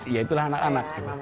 ya itulah anak anak